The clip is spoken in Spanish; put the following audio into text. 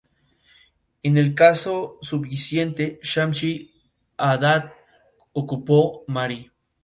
En el casos subsiguiente, Shamshi-Adad ocupó Mari.